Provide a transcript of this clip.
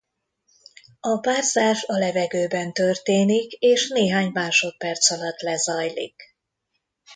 A párzás a levegőben történik és néhány másodperc alatt lezajlik.